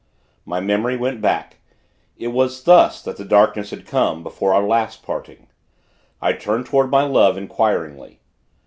My memory went back. It was thus, that the darkness had come, before our last parting. I turned toward my Love, inquiringly.